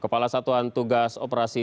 kepala satuan tugas operasi